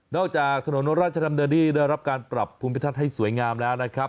จากถนนราชดำเนินที่ได้รับการปรับภูมิทัศน์ให้สวยงามแล้วนะครับ